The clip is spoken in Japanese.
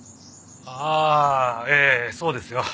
ああええそうですよ。